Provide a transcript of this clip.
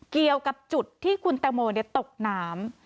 เกี่ยวกับจุดที่คุณเต็มโมเน็ตตกน้ำ